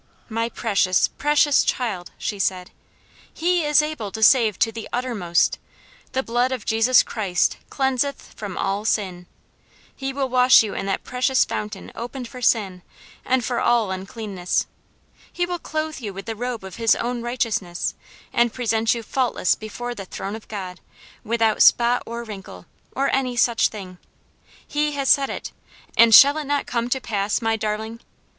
"My precious, precious child," she said, "He is able to save to the uttermost. 'The blood of Jesus Christ cleanseth from all sin.' He will wash you in that precious fountain opened for sin, and for all uncleanness. He will clothe you with the robe of his own righteousness, and present you faultless before the throne of God, without spot or wrinkle, or any such thing. He has said it, and shall it not come to pass, my darling?